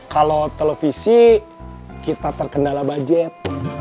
kalau televisi kita terkendala budget